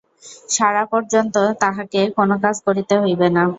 সারা পর্যন্ত তাহাকে কোনো কাজ করিতে হইবে না।